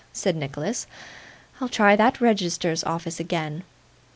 said Nicholas, 'I'll try that Register Office again.